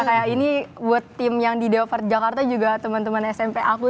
kayak ini buat tim yang di day of art jakarta juga temen temen smp aku